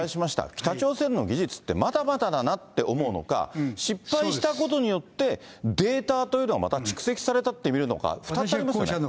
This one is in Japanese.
北朝鮮の技術って、まだまだだなって思うのか、失敗したことによって、データというのはまた蓄積されたって見るのか、２つありますね。